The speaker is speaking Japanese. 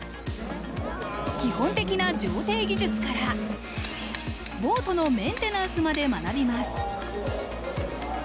基本的な乗艇技術からボートのメンテナンスまで学びます。